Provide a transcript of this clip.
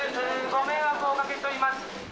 ご迷惑をおかけしております。